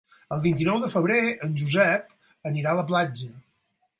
El vint-i-nou de febrer en Josep anirà a la platja.